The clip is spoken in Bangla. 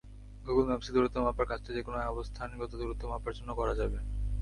গুগল ম্যাপসে দূরত্ব মাপার কাজটা যেকোনো অবস্থানগত দূরত্ব মাপার জন্য করা যাবে।